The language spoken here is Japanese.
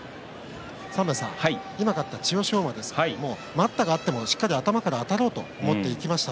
今、勝った千代翔馬ですけど待ったがあってもしっかり頭からあたろうと思っていきました。